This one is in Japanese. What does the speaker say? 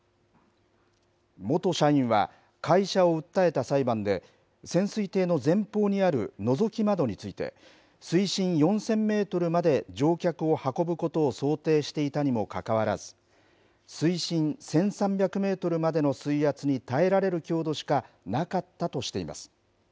元社員は、会社を訴えた裁判で、潜水艇の前方にあるのぞき窓について、水深４０００メートルまで乗客を運ぶことを想定していたにもかかわらず、水深１３００メートルまでの水圧に耐えられる強度しかなかったとしています。